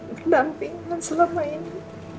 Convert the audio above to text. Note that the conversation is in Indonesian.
berdampingan selama ini